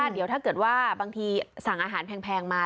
เดี๋ยวถ้าเกิดว่าบางทีสั่งอาหารแพงมา